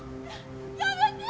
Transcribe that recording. やめて！